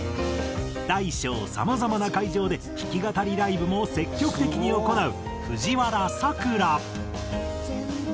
大小さまざまな会場で弾き語りライブも積極的に行う藤原さくら。